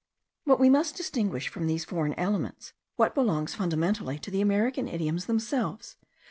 But we must distinguish from these foreign elements what belongs fundamentally to the American idioms themselves.